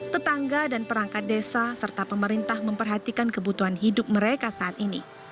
tetangga dan perangkat desa serta pemerintah memperhatikan kebutuhan hidup mereka saat ini